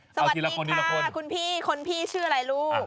สวัสดีค่ะคุณพี่คนพี่ชื่ออะไรลูก